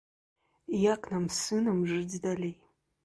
Як нам з сынам жыць далей?